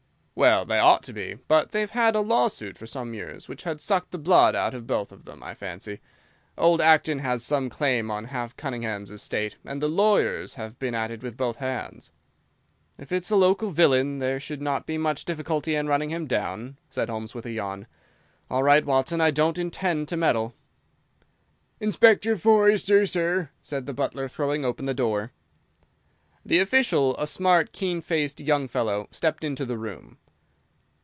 "Well, they ought to be, but they've had a lawsuit for some years which has sucked the blood out of both of them, I fancy. Old Acton has some claim on half Cunningham's estate, and the lawyers have been at it with both hands." "If it's a local villain there should not be much difficulty in running him down," said Holmes with a yawn. "All right, Watson, I don't intend to meddle." "Inspector Forrester, sir," said the butler, throwing open the door. The official, a smart, keen faced young fellow, stepped into the room.